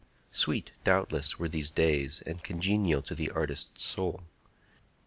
Sweet, doubtless, were these days, and congenial to the artist's soul.